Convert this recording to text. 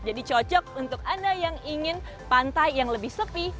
jadi cocok untuk anda yang ingin pantai yang lebih sepi